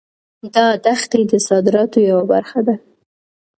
دا دښتې د صادراتو یوه برخه ده.